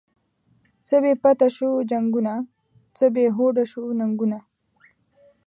څه بی پته شوو جنگونه، څه بی هوډه شوو ننگونه